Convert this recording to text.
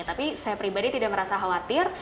tapi saya pribadi tidak merasa khawatir